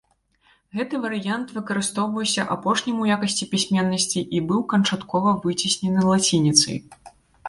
Гэты варыянт выкарыстоўваўся апошнім у якасці пісьменнасці і быў канчаткова выцеснены лацініцай.